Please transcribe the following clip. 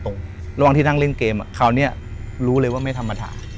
ระหว่างที่นั่งเล่นเกมคราวนี้รู้เลยว่าไม่ธรรมดา